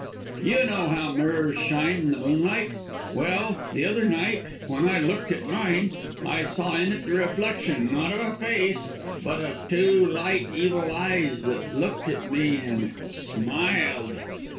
You know how mirrors shine in the moonlight. Well, the other night, when I looked at mine, I saw in it the reflection, not of a face, but of two light evil eyes that looked at me and smiled!